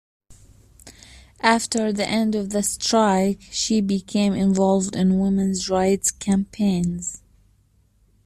After the end of the strike, she became involved in women's rights campaigns.